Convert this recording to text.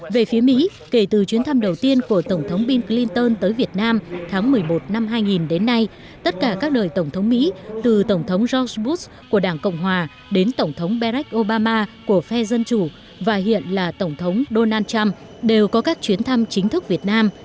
về phía mỹ kể từ chuyến thăm đầu tiên của tổng thống bill clinton tới việt nam tháng một mươi một năm hai nghìn đến nay tất cả các đời tổng thống mỹ từ tổng thống josbus của đảng cộng hòa đến tổng thống berét obama của phe dân chủ và hiện là tổng thống donald trump đều có các chuyến thăm chính thức việt nam